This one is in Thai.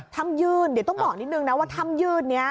ยื่นเดี๋ยวต้องบอกนิดนึงนะว่าถ้ำยืดนี้